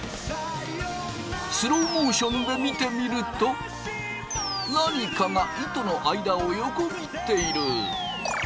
スローモーションで見てみると何かが糸の間を横切っている。